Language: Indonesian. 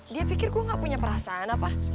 dia pikir gue nggak punya perasaan apa